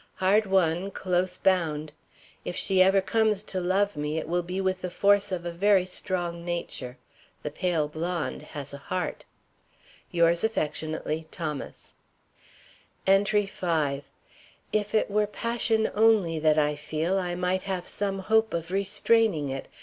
Hard won, close bound. If she ever comes to love me it will be with the force of a very strong nature. The pale blonde has a heart. Yours aff., THOMAS. ENTRY V. If it were passion only that I feel, I might have some hope of restraining it.